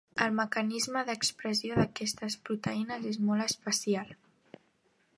El mecanisme d'expressió d'aquestes proteïnes és molt especial.